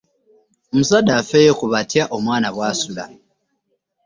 Omuzadde afeeyo ku butya omwana bw'asula.